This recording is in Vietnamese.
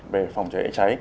về phòng cháy cháy